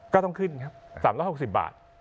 ก็ต้องขึ้นครับ๓๖๐บาท